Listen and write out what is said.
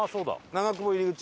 長久保入口。